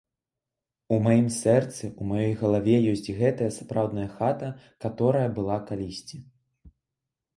У маім сэрцы, у маёй галаве ёсць гэта сапраўдная хата, каторая была калісьці.